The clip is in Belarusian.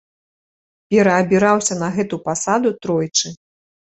Пераабіраўся на гэту пасаду тройчы.